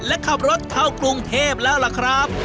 และขับรถเข้ากรุงเทพแล้วล่ะครับ